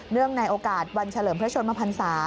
เนื่องในโอกาสวันเฉลิมพระชนมพรรษา